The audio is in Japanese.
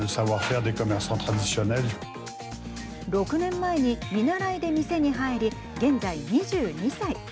６年前に、見習いで店に入り現在２２歳。